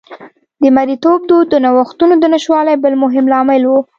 د مریتوب دود د نوښتونو د نشتوالي بل مهم لامل و